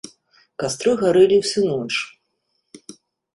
Кастры гарэлі ўсю ноч.